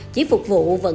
chỉ phục vụ vận tải vệ sinh